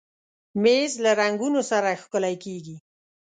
مېز له رنګونو سره ښکلی کېږي.